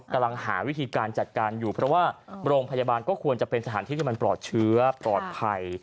กำลังหาวิธีการจัดการอยู่เพราะว่าโรงพยาบาลก็ควรจะเป็นสถานที่ที่มันปลอดเชื้อปลอดภัย